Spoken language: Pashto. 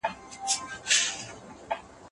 په هیڅ کي نسته مزه شیرینه